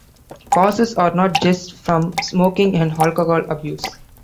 Causes are not just from smoking and alcohol abuse.